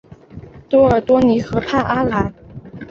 多尔多尼河畔阿莱。